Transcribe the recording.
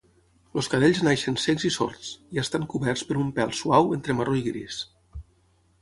Els cadells neixen cecs i sords, i estan coberts per un pel suau entre marró i gris.